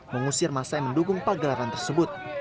mengusir masa yang mendukung pagelaran tersebut